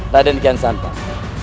raden kian santang